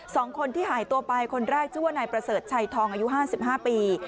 สองคนที่หายตัวไปคนแรกชื่อว่านายประเสริฐชัยทองอายุห้าสิบห้าปี